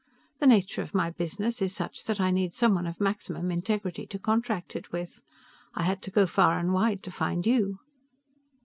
The nature of my business is such that I need someone of maximum integrity to contract it with. I had to go far and wide to find you."